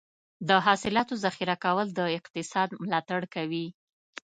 د حاصلاتو ذخیره کول د اقتصاد ملاتړ کوي.